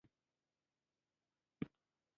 هغه یوه شنډه خځه ده حیڅ اولاد نه لری